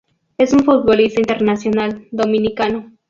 Es un futbolista internacional dominicano.